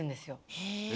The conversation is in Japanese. へえ。